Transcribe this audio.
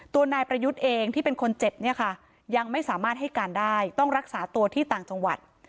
ตัวนายประยุทธ์เองที่เป็นคนเจ็บเนี่ยค่ะยังไม่สามารถให้การได้ต้องรักษาตัวที่ต่างจังหวัด